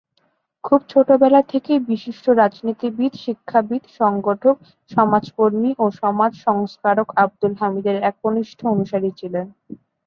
খুব ছোটবেলা থেকেই বিশিষ্ট রাজনীতিবিদ, শিক্ষাবিদ, সংগঠক, সমাজকর্মী ও সমাজ সংস্কারক আবদুল হামিদের একনিষ্ঠ অনুসারী ছিলেন।